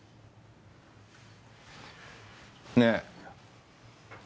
ねえ。